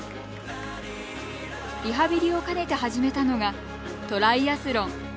リハビリを兼ねて始めたのがトライアスロン。